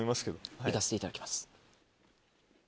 行かせていただきます。